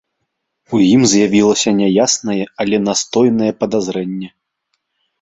У ім з'явілася няяснае, але настойнае падазрэнне.